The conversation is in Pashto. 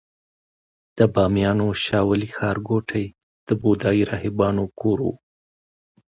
د بامیانو شاولې ښارګوټي د بودايي راهبانو کور و